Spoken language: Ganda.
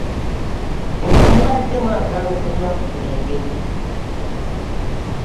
Nga mubadde mwagala okunywa ku twenge.